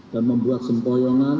dan membuat sempoyongan